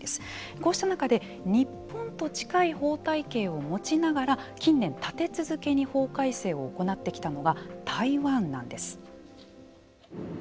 こうした中で日本と近い法体系を持ちながら近年たて続けに法改正を行ってきたのが台湾なんです。